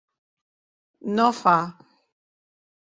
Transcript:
No— fa.